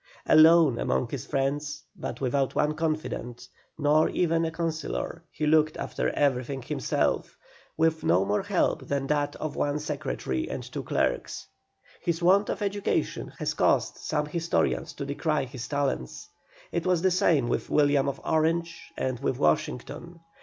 Alone among many friends, but without one confidant, nor even a councillor, he looked after everything himself, with no more help than that of one secretary and two clerks. His want of education has caused some historians to decry his talents. It was the same with William of Orange and with Washington.